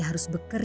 gak bisa tidur